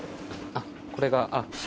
あっこれがあっ小。